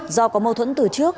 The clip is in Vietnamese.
do có mâu thuẫn từ trước